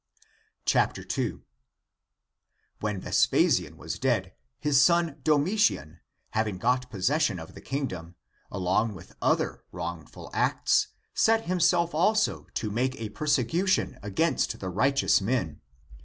2. And when Vespasian was dead, his son Do ACTS OF JOHN 127 mitian, having got possession of the Kingdom, along with other wrongful acts, set himself also to make a persecution against the righteous men.